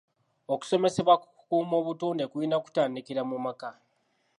Okusomesebwa ku kukuuma obutonde kulina kutandikira mu maka.